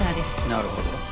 なるほど。